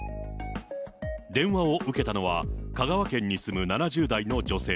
電話を受けたのは、香川県に住む７０代の女性。